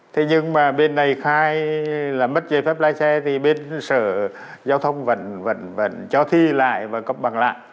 thế nhưng mà bên này khai là mất giấy phép lái xe thì bên sở giao thông vẫn cho thi lại và cấp bằng lại